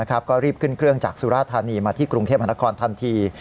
ก็รีบขึ้นเครื่องจากสุราธานีมาที่กรุงเทพมหานครทันที